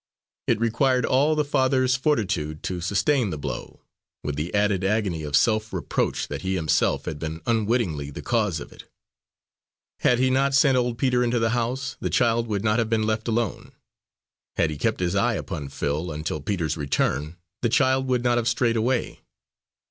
It required all the father's fortitude to sustain the blow, with the added agony of self reproach that he himself had been unwittingly the cause of it. Had he not sent old Peter into the house, the child would not have been left alone. Had he kept his eye upon Phil until Peter's return the child would not have strayed away.